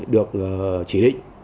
được chỉ định